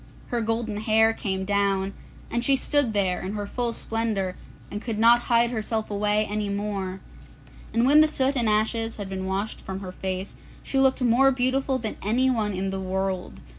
Her golden hair came down, and she stood there in her full splendour, and could not hide herself away any more. And when the soot and ashes had been washed from her face, she looked more beautiful than anyone in the world.